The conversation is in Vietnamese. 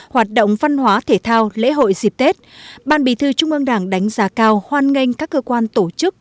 hoạt động văn hóa thể thao lễ hội dịp tết ban bí thư trung ương đảng đánh giá cao hoan nghênh các cơ quan tổ chức